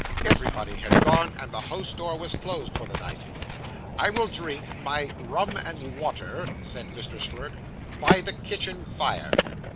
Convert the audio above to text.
Everybody had gone, and the house door was closed for the night. 'I will drink my rum and water,' said Mr. Slurk, 'by the kitchen fire.